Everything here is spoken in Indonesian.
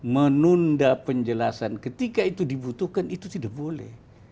menunda penjelasan ketika itu dibutuhkan itu tidak boleh